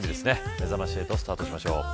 めざまし８スタートしましょう。